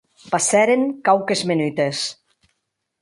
Passèren quauques menutes.